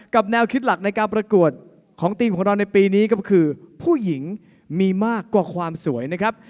แนวคิดหลักในการประกวดของทีมของเราในปีนี้ก็คือผู้หญิงมีมากกว่าความสวยนะครับ